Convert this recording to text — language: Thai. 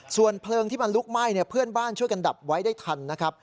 ส่วนเพลิงที่มันลุกไหม้เพื่อนบ้านช่วยกันดับไว้ได้ทันนะครับ